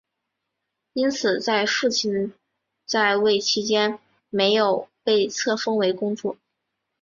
因此在父亲在位期间没有被册封为公主。